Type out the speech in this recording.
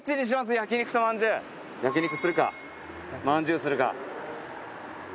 焼肉にするかまんじゅうにするか。